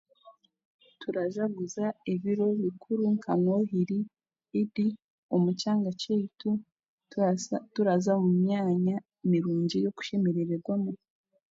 Turajaguja ebiro bikuru nka Nohiri, Idd omu kyangya kyaitu turaza mu myanya mirungi y'okushemererwamu